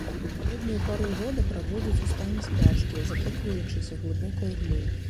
Халодную пару года праводзіць у стане спячкі, закопваючыся глыбока ў глей.